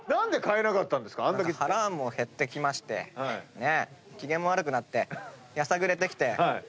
腹も減ってきまして機嫌も悪くなってやさぐれてきて。